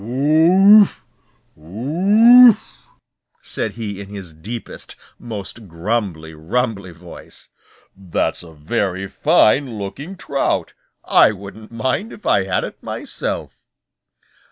"Woof, woof!" said he in his deepest, most grumbly rumbly voice. "That's a very fine looking trout. I wouldn't mind if I had it myself."